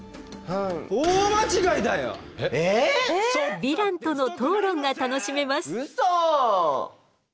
ヴィランとの討論が楽しめます。